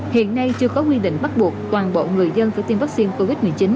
hiện nay chưa có quy định bắt buộc toàn bộ người dân phải tiêm vaccine covid một mươi chín